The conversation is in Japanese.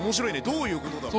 どういうことだろう？